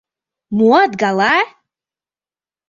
Муат гала?!